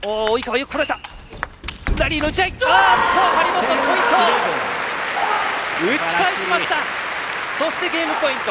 張本、ポイント！